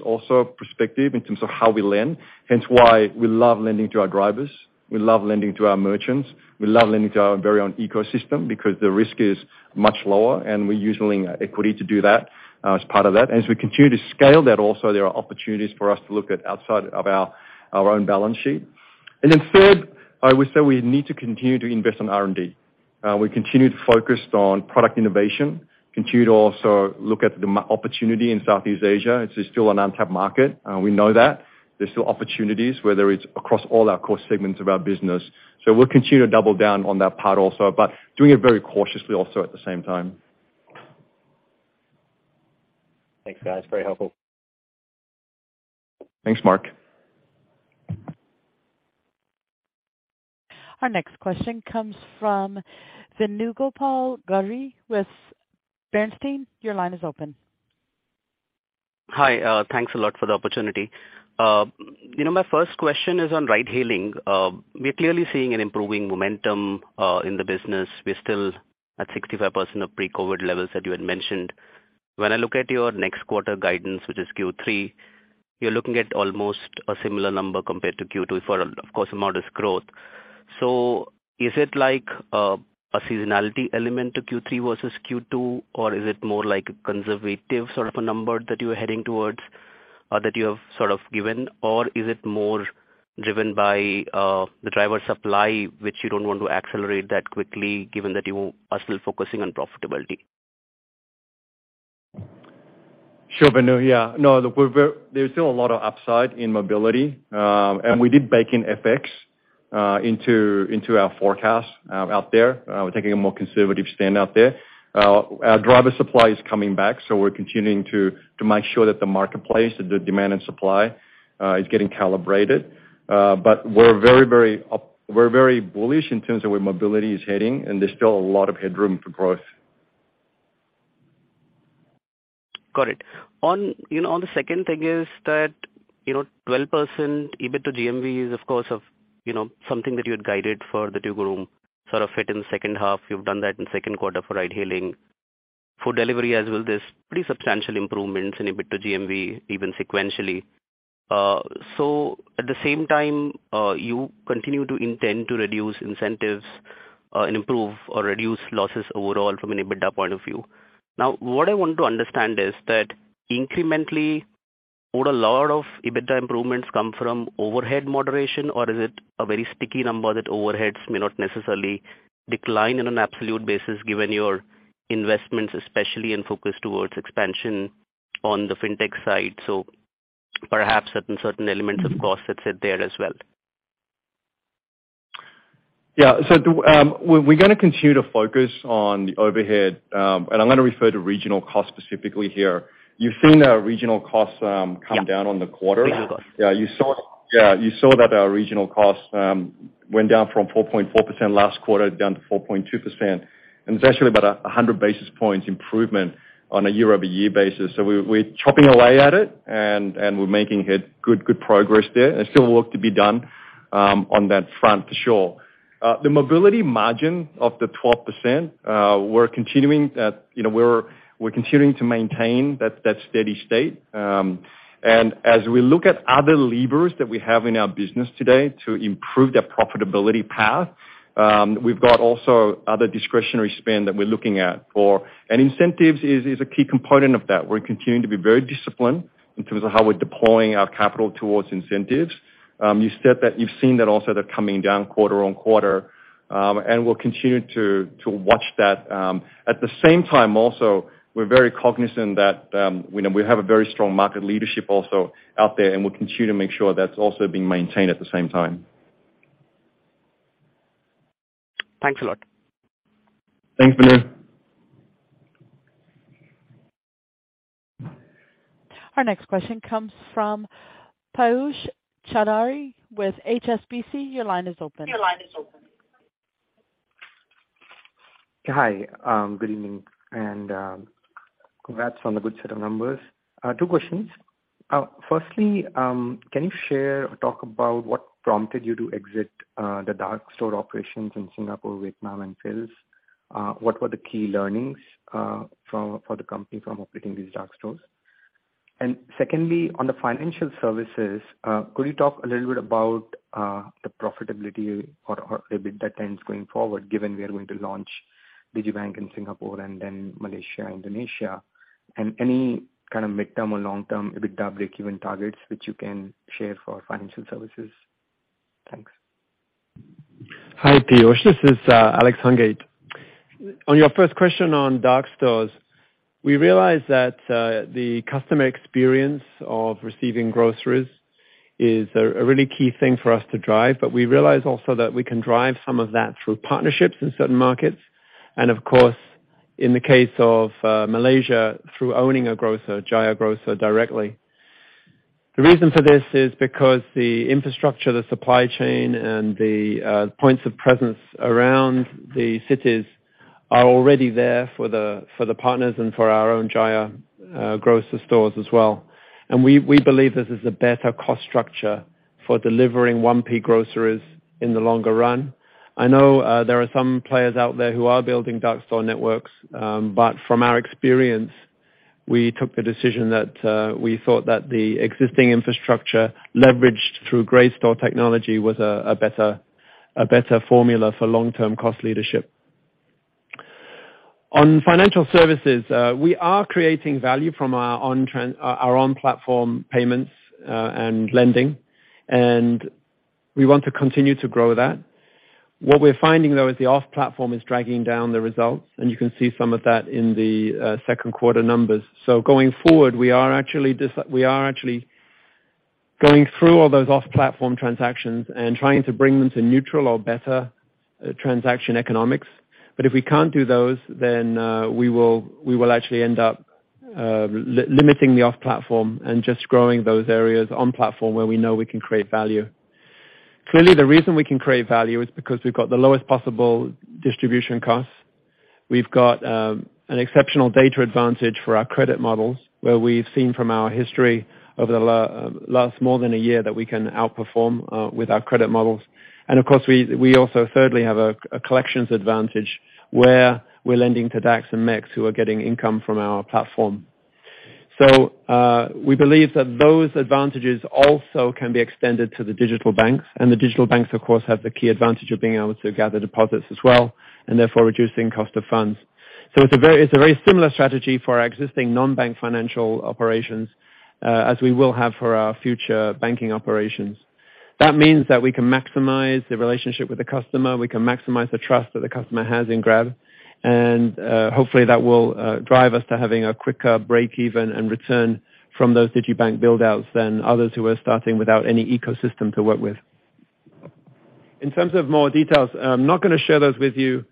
perspective in terms of how we lend, hence why we love lending to our drivers, we love lending to our merchants, we love lending to our very own ecosystem because the risk is much lower, and we're using equity to do that, as part of that. As we continue to scale that, there are opportunities for us to look outside of our own balance sheet. Then third, I would say we need to continue to invest in R&D. We continue to focus on product innovation, continue to also look at the market opportunity in Southeast Asia. It's still an untapped market, we know that. There's still opportunities, whether it's across all our core segments of our business. We'll continue to double down on that part also, but doing it very cautiously also at the same time. Thanks, guys. Very helpful. Thanks, Mark. Our next question comes from Venugopal Garre with Bernstein. Your line is open. Hi, thanks a lot for the opportunity. You know, my first question is on ride hailing. We're clearly seeing an improving momentum in the business. We're still at 65% of pre-COVID levels that you had mentioned. When I look at your next quarter guidance, which is Q3, you're looking at almost a similar number compared to Q2 for, of course, a modest growth. Is it like a seasonality element to Q3 versus Q2, or is it more like a conservative sort of a number that you are heading towards or that you have sort of given? Or is it more driven by the driver supply, which you don't want to accelerate that quickly given that you are still focusing on profitability? Sure, Venu. Yeah. No, look, there's still a lot of upside in mobility, and we did bake in FX into our forecast out there. We're taking a more conservative stand out there. Our driver supply is coming back, so we're continuing to make sure that the marketplace, the demand and supply, is getting calibrated. But we're very bullish in terms of where mobility is heading, and there's still a lot of headroom for growth. Got it. On, you know, on the second thing is that, you know, 12% EBITDA GMV is of course of, you know, something that you had guided for the group sort of hit in second half. You've done that in second quarter for ride hailing. For delivery as well, there's pretty substantial improvements in EBITDA GMV even sequentially. So at the same time, you continue to intend to reduce incentives, and improve or reduce losses overall from an EBITDA point of view. Now, what I want to understand is that incrementally would a lot of EBITDA improvements come from overhead moderation, or is it a very sticky number that overheads may not necessarily decline in an absolute basis given your investments, especially in focus towards expansion on the fintech side, so perhaps certain elements of costs that sit there as well? We're gonna continue to focus on the overhead, and I'm gonna refer to regional costs specifically here. You've seen our regional costs come down on the quarter. Yeah. Regional costs. Yeah, you saw it. Yeah, you saw that our regional costs went down from 4.4% last quarter down to 4.2%. It's actually about 100 basis points improvement on a year-over-year basis. We're chopping away at it and we're making good progress there, and still work to be done on that front for sure. The mobility margin of the 12%, we're continuing, you know, to maintain that steady state. As we look at other levers that we have in our business today to improve that profitability path, we've got also other discretionary spend that we're looking at, and incentives is a key component of that. We're continuing to be very disciplined in terms of how we're deploying our capital towards incentives. You said that you've seen that also they're coming down quarter-over-quarter, and we'll continue to watch that. At the same time also, we're very cognizant that we know we have a very strong market leadership also out there, and we'll continue to make sure that's also being maintained at the same time. Thanks a lot. Thanks, Venu. Our next question comes from Piyush Choudhary with HSBC. Your line is open. Hi. Good evening. Congrats on the good set of numbers. Two questions. Firstly, can you share or talk about what prompted you to exit the dark store operations in Singapore, Vietnam, and Philippines? What were the key learnings for the company from operating these dark stores? Secondly, on the financial services, could you talk a little bit about the profitability or EBITDA trends going forward, given we are going to launch GXS Bank in Singapore and then Malaysia, Indonesia? Any kind of midterm or long-term EBITDA breakeven targets which you can share for financial services? Thanks. Hi, Piyush. This is Alex Hungate. On your first question on dark stores, we realize that the customer experience of receiving groceries is a really key thing for us to drive, but we realize also that we can drive some of that through partnerships in certain markets, and of course, in the case of Malaysia, through owning a grocer, Jaya Grocer, directly. The reason for this is because the infrastructure, the supply chain, and the points of presence around the cities are already there for the partners and for our own Jaya Grocer stores as well. We believe this is a better cost structure for delivering 1P groceries in the longer run. I know there are some players out there who are building dark store networks, but from our experience, we took the decision that we thought that the existing infrastructure leveraged through grey store technology was a better formula for long-term cost leadership. On financial services, we are creating value from our own platform payments and lending, and we want to continue to grow that. What we're finding, though, is the off-platform is dragging down the results, and you can see some of that in the second quarter numbers. Going forward, we are actually going through all those off-platform transactions and trying to bring them to neutral or better transaction economics. If we can't do those, then we will actually end up limiting the off-platform and just growing those areas on platform where we know we can create value. Clearly, the reason we can create value is because we've got the lowest possible distribution costs. We've got an exceptional data advantage for our credit models, where we've seen from our history over the last more than a year that we can outperform with our credit models. Of course, we also thirdly have a collections advantage where we're lending to driver-partners and merchant-partners who are getting income from our platform. We believe that those advantages also can be extended to the digital banks. The digital banks, of course, have the key advantage of being able to gather deposits as well, and therefore reducing cost of funds. It's a very similar strategy for our existing non-bank financial operations, as we will have for our future banking operations. That means that we can maximize the relationship with the customer, we can maximize the trust that the customer has in Grab, and hopefully that will drive us to having a quicker break even and return from those digibank build-outs than others who are starting without any ecosystem to work with. In terms of more details, I'm not gonna share those with you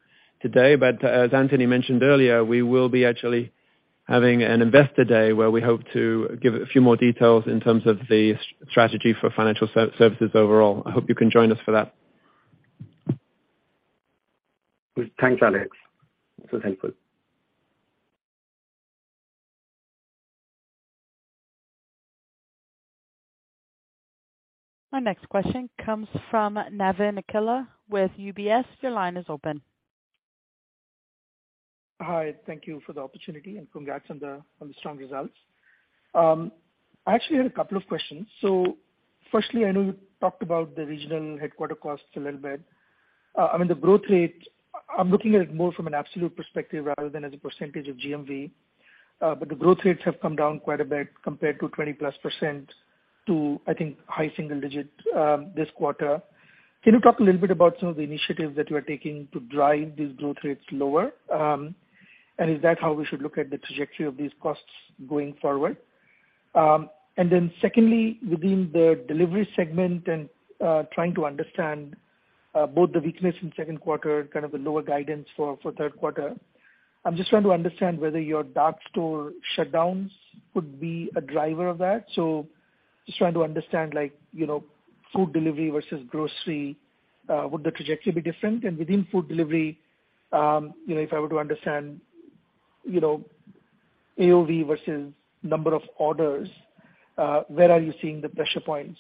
today, but as Anthony mentioned earlier, we will be actually having an Investor Day where we hope to give a few more details in terms of the strategy for financial services overall. I hope you can join us for that. Thanks, Alex. Thankful. Our next question comes from Navin Killa with UBS. Your line is open. Hi, thank you for the opportunity and congrats on the strong results. I actually had a couple of questions. Firstly, I know you talked about the regional headquarter costs a little bit. I mean, the growth rate, I'm looking at it more from an absolute perspective rather than as a percentage of GMV. But the growth rates have come down quite a bit compared to 20+% to, I think, high single-digit %, this quarter. Can you talk a little bit about some of the initiatives that you are taking to drive these growth rates lower? And is that how we should look at the trajectory of these costs going forward? And then secondly, within the delivery segment, trying to understand both the weakness in second quarter, the lower guidance for third quarter. I'm just trying to understand whether your dark store shutdowns could be a driver of that. Just trying to understand, like, you know, food delivery versus grocery, would the trajectory be different? Within food delivery, you know, if I were to understand, you know, AOV versus number of orders, where are you seeing the pressure points,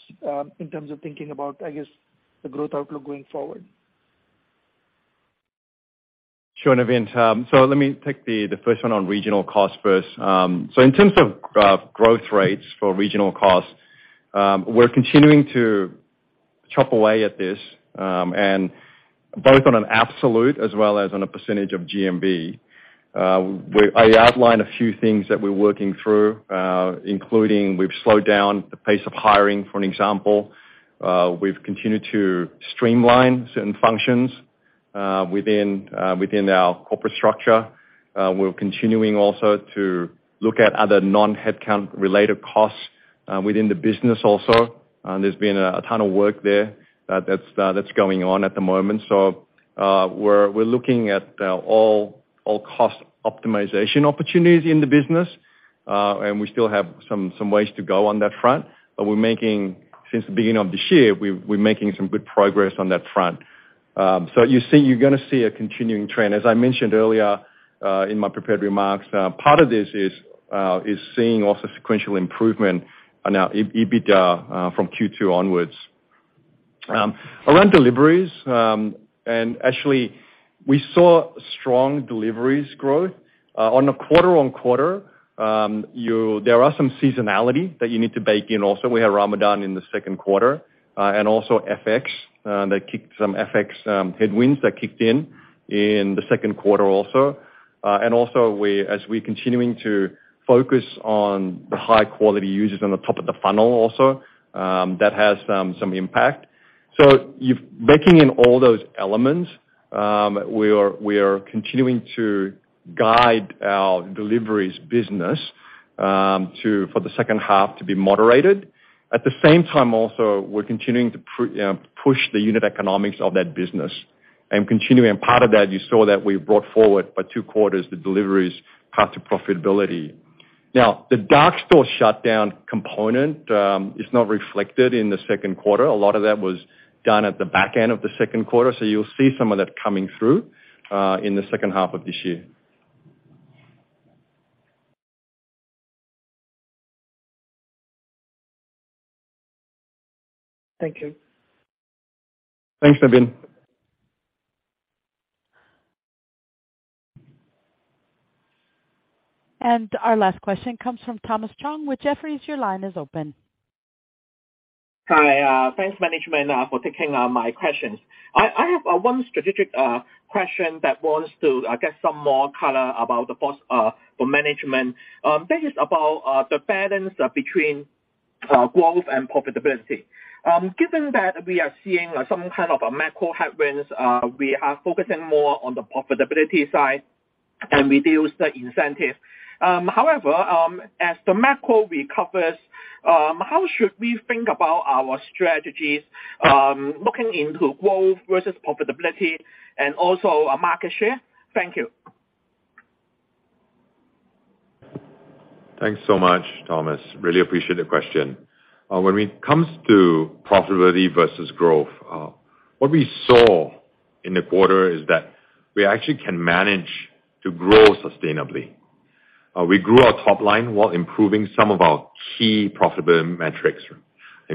in terms of thinking about, I guess, the growth outlook going forward? Sure, Navin. Let me take the first one on regional costs first. In terms of growth rates for regional costs, we're continuing to chop away at this, and both on an absolute as well as on a percentage of GMV. I outlined a few things that we're working through, including we've slowed down the pace of hiring, for an example. We've continued to streamline certain functions within our corporate structure. We're continuing also to look at other non-headcount-related costs within the business also. There's been a ton of work there that's going on at the moment. We're looking at all cost optimization opportunities in the business, and we still have some ways to go on that front. We're making some good progress on that front since the beginning of this year. You're gonna see a continuing trend. As I mentioned earlier, in my prepared remarks, part of this is also seeing sequential improvement on our EBITDA from Q2 onwards. Around deliveries, and actually we saw strong deliveries growth on a quarter-on-quarter. There are some seasonality that you need to bake in also. We had Ramadan in the second quarter, and also FX headwinds that kicked in in the second quarter also. As we're continuing to focus on the high-quality users on the top of the funnel also, that has some impact. Baking in all those elements, we are continuing to guide our deliveries business for the second half to be moderated. At the same time also, we're continuing to push the unit economics of that business. Continuing part of that, you saw that we brought forward by 2 quarters the deliveries path to profitability. Now, the dark store shutdown component is not reflected in the second quarter. A lot of that was done at the back end of the second quarter, so you'll see some of that coming through in the second half of this year. Thank you. Thanks, Navin. Our last question comes from Thomas Chong with Jefferies. Your line is open. Hi. Thanks management for taking my questions. I have one strategic question that was to get some more color about the first for management. This is about the balance between growth and profitability. Given that we are seeing some kind of a macro headwinds, we are focusing more on the profitability side and reduce the incentive. However, as the macro recovers, how should we think about our strategies looking into growth versus profitability and also our market share? Thank you. Thanks so much, Thomas. Really appreciate the question. When it comes to profitability versus growth, what we saw in the quarter is that we actually can manage to grow sustainably. We grew our top line while improving some of our key profitable metrics.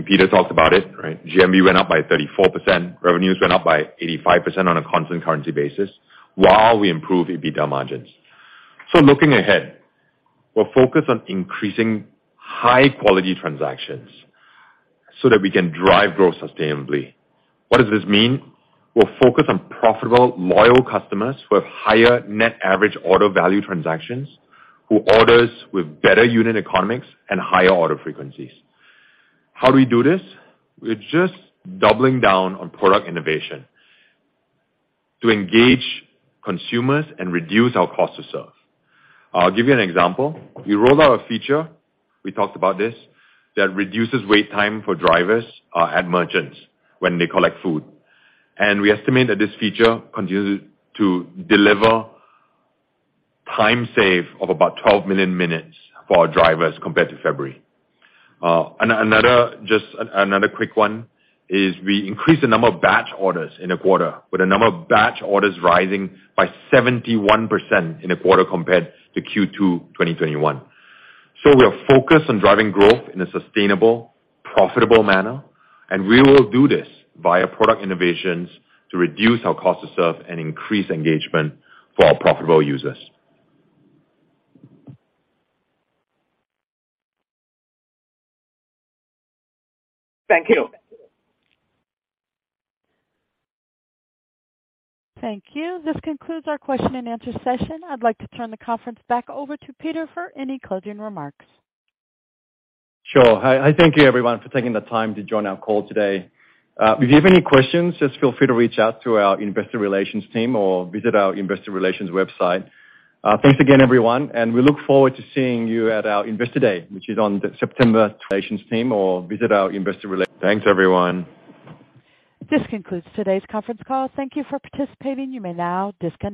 Peter talked about it, right? GMV went up by 34%, revenues went up by 85% on a constant currency basis, while we improved EBITDA margins. Looking ahead, we're focused on increasing high quality transactions so that we can drive growth sustainably. What does this mean? We'll focus on profitable, loyal customers who have higher net average order value transactions, who orders with better unit economics and higher order frequencies. How do we do this? We're just doubling down on product innovation to engage consumers and reduce our cost to serve. I'll give you an example. We rolled out a feature, we talked about this, that reduces wait time for drivers at merchants when they collect food. We estimate that this feature continues to deliver time save of about 12 million minutes for our drivers compared to February. Another quick one is we increased the number of batch orders in the quarter, with the number of batch orders rising by 71% in the quarter compared to Q2 2021. We are focused on driving growth in a sustainable, profitable manner, and we will do this via product innovations to reduce our cost to serve and increase engagement for our profitable users. Thank you. Thank you. This concludes our question and answer session. I'd like to turn the conference back over to Peter for any closing remarks. Sure. I thank you everyone for taking the time to join our call today. If you have any questions, just feel free to reach out to our investor relations team or visit our investor relations website. Thanks again everyone, and we look forward to seeing you at our Investor Day, which is on September. Thanks, everyone. This concludes today's conference call. Thank you for participating. You may now disconnect.